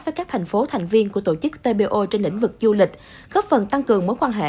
với các thành phố thành viên của tổ chức tpo trên lĩnh vực du lịch góp phần tăng cường mối quan hệ